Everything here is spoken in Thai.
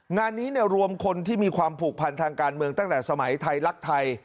งานนี้รวมคนที่มีความผูกพันทางการเมืองตั้งแต่สมัยไทยรักไทย